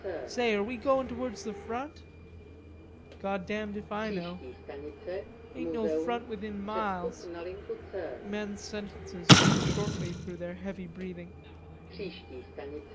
"Say, are we goin' towards the front?" "Goddamned if I know." "Ain't no front within miles." Men's sentences came shortly through their heavy breathing.